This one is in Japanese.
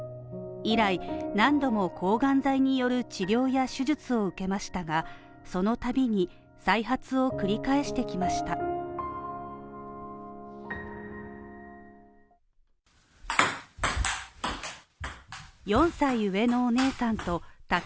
以来、何度も抗がん剤による治療や手術を受けましたが、そのたびに再発を繰り返してきました。